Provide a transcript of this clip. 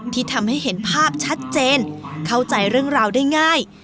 ที่ทำให้เห็นภาพชัดเจนเข้าใจเรื่องราวได้ง่าย